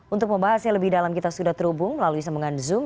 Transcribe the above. untuk membahas yang lebih dalam kita sudah terhubung melalui sambungan zoom